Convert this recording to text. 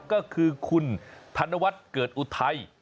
ก็คือคุณธนวัฒน์เกิดอุทัย